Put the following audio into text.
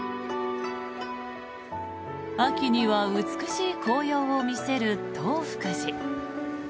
秋には美しい紅葉を見せる東福寺。